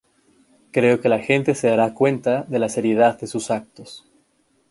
creo que la gente se dará cuenta de la seriedad de sus actos